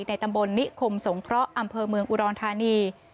ตำบลนิคมสงเคราะห์อำเภอเมืองอุดรธานี